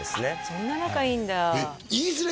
そんな仲いいんだえっ